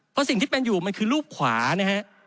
เพราะสิ่งที่เป็นอยู่มันคือรูปขวานะฮะ